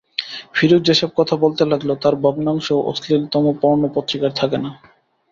ফিরোজ যে-সব কথা বলতে লাগল, তার ভগ্নাংশও অশ্লীলতম পর্ণো পত্রিকায় থাকে না।